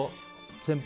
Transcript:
先輩？